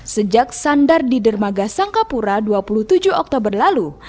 sejak sandar di dermaga sangkapura dua puluh tujuh oktober lalu